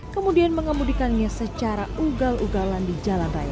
kemudian mengemudikannya secara ugal ugalan di jalan raya